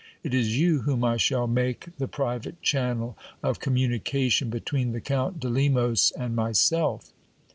It is you whom I shall make the private channel of communication between the Count de Lemos and myself.